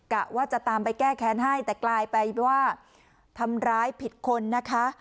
กะว่าจะตามไปแก้แค้นให้แต่กลายไปว่าทำร้ายผิดคนนะคะ